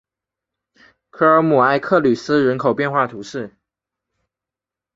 科尔姆埃克吕斯人口变化图示